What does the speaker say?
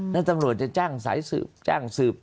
แล้วตำรวจจะจ้างสายสืบจ้างสืบ